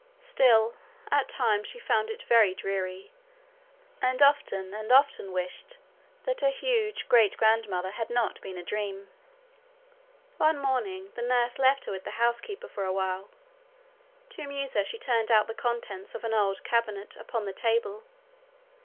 Still at times she found it very dreary, and often and often wished that her huge great grandmother had not been a dream. One morning the nurse left her with the housekeeper for a while. To amuse her she turned out the contents of an old cabinet upon the table.